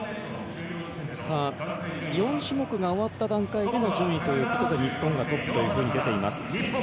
４種目が終わった段階での順位ということで日本がトップと出ています。